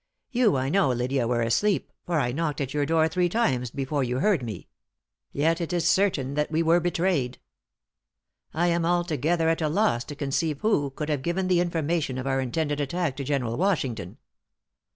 "You, I know, Lydia, were asleep; for I knocked at your door three times before you heard me yet it is certain that we were betrayed. I am altogether at a loss to conceive who could have given the information of our intended attack to General Washington!